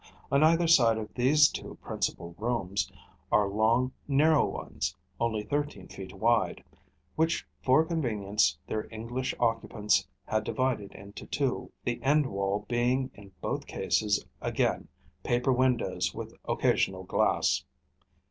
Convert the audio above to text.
On either side of these two principal rooms are long narrow ones, only thirteen feet wide, which for convenience their English occupants had divided into two, the end wall being in both cases again paper windows with occasional glass.